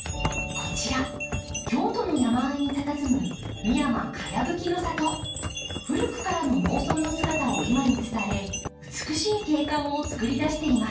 こちら京都の山あいにたたずむ古くからの農村の姿を今に伝え美しい景観をつくり出しています。